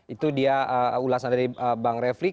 itu dia ulasan dari bang refli